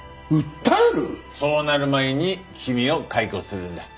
そうなる前に君を解雇するんだ。